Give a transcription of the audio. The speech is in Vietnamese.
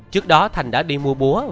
trước đó thành đã đi mua búa